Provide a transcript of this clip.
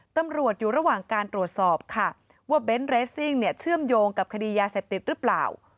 ตำรวจอยู่ระหว่างการตรวจสอบค่ะว่าเบนท์เรสซิ่งเนี่ยเชื่อมโยงกับคดียาเสพติดหรือเปล่า